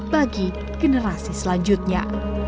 bagi generasi selanjutnya